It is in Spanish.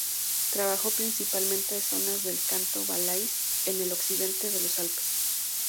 Trabajó principalmente en zonas del cantón Valais, en el occidente de los Alpes.